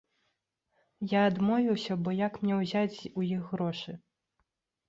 Я адмовіўся, бо як мне ўзяць у іх грошы?